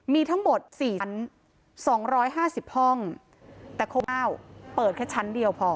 มีทั้งหมดสี่ชั้นสองร้อยห้าสิบห้องแต่โครงการเปิดแค่ชั้นเดียวพอ